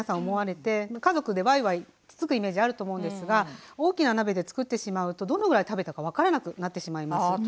思われて家族でワイワイつつくイメージあると思うんですが大きな鍋で作ってしまうとどのぐらい食べたか分からなくなってしまいます。